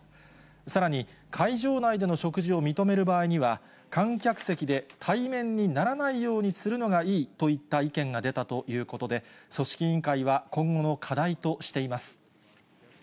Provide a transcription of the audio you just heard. さらに、会場内での食事を認める場合には、観客席で対面にならないようにするのがいいといった意見が出たということで、組織委員会は今後の課題としています。